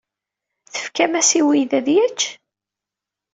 Tefkamt-as i uydi ad yečč?